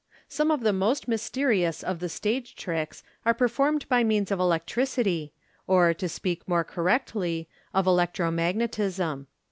— Some of the most mysterious of the stage tricks are performed by means of electricity, or, to speak more cor rectly, of electro magnetism.